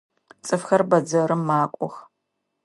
Цӏыфхэр бэдзэрым макӏох.